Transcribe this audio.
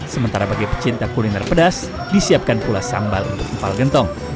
sementara bagi pecinta kuliner pedas disiapkan pula sambal untuk empal gentong